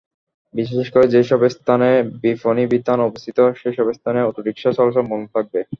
বিশেষ করে যেসব স্থানে বিপণিবিতান অবস্থিত সেসব স্থানে অটোরিকশা চলাচল বন্ধ থাকবে।